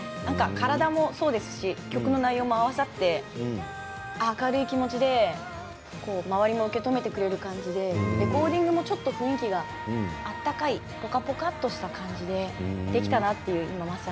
体もそうですし、曲の内容も合わさって明るい気持ちで周りが受け止めてくれる感じでレコーディングもちょっと雰囲気が、温かい、ポカポカした感じで、できたなって。